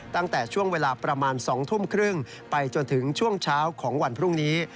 ตั้งแต่ช่วงเวลาประมาณ๒ทุ่มครึ่งไปจนถึงช่วงเช้าของวันพรุ่งนี้